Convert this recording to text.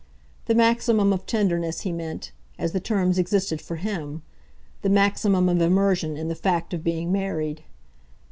The maximum of tenderness he meant as the terms existed for him; the maximum of immersion in the fact of being married.